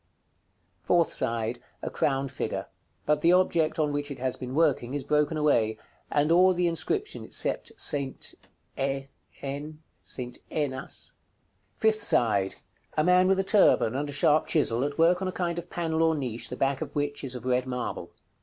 Fourth side. A crowned figure; but the object on which it has been working is broken away, and all the inscription except "ST. E(N?)AS." Fifth side. A man with a turban, and a sharp chisel, at work on a kind of panel or niche, the back of which is of red marble.